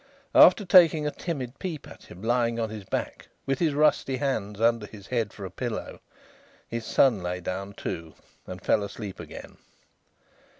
After taking a timid peep at him lying on his back, with his rusty hands under his head for a pillow, his son lay down too, and fell asleep again.